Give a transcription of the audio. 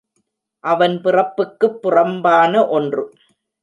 அவன் பிறப்புக்குப் புறம் பான ஒன்று.